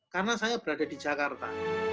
karena saya berada di jakarta